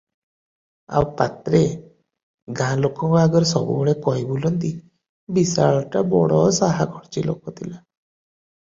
ଆଉ ପାତ୍ରେ ଗାଁ ଲୋକମାନଙ୍କ ଆଗରେ ସବୁବେଳେ କହି ବୁଲନ୍ତି, "ବିଶାଳଟା ବଡ ସାହାଖର୍ଚ୍ଚି ଲୋକ ଥିଲା ।